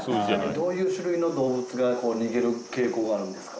どういう種類の動物が逃げる傾向があるんですか？